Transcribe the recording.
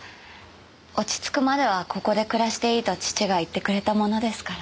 落ち着くまではここで暮らしていいと父が言ってくれたものですから。